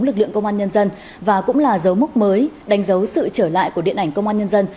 lực lượng công an nhân dân và cũng là dấu mốc mới đánh dấu sự trở lại của điện ảnh công an nhân dân